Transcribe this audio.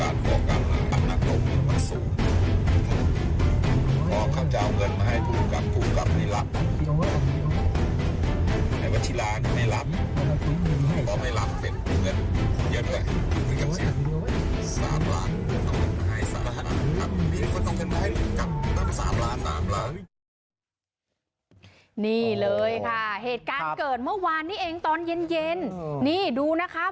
นี่เลยค่ะเหตุการณ์เกิดเมื่อวานนี้เองตอนเย็นนี่ดูนะคะ